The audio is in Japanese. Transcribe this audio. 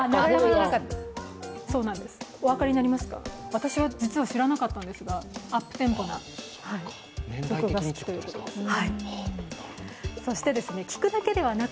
私は実は知らなかったんですがアップテンポな曲が好きということですね。